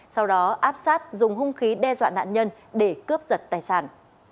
sau đó áp sát dùng hung khí đe dọa nạn nhân để cướp giật tài sản